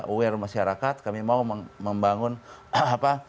aware masyarakat kami mau membangun apa